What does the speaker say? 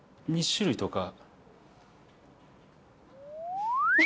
２種類とか。